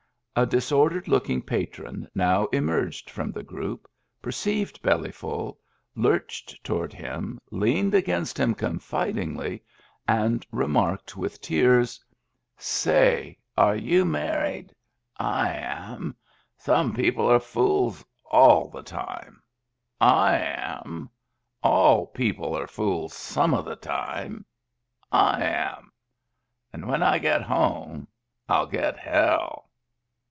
A disordered looking patron now emerged from the group, per ceived Bellyful, lurched toward him, leaned against him confidingly, and remarked with tears: — Digitized by Google 214 MEMBERS OF THE FAMILY " Say, are you married ? I am. Some people are fools all the time. I am. All people are fools some of the time. I am. And when I get home ni get hell."